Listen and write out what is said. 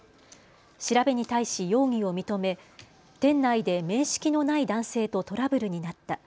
調べに対し容疑を認め店内で面識のない男性とトラブルになった。